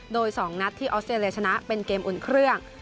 โดย๒นัดที่ออสเตรเลียชนะเป็นเกมอุ่นเครื่อง